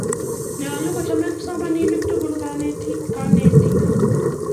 Nyolu kocham kipsomaninik tukul kanetik